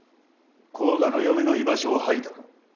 甲賀の嫁の居場所を吐いたか？